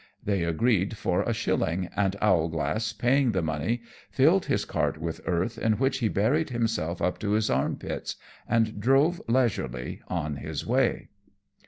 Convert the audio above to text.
They agreed for a shilling; and Owlglass paying the money, filled his cart with earth, in which he buried himself up to his arm pits, and drove leisurely on his way.